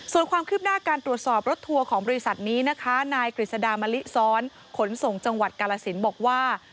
ส่วนความคืบหน้าการตรวจสอบรถทัวร์ของบริษัทนี้นะคะนายกฤษดามะลิซ้อนขนส่งจังหวัดกาลสินบอกว่า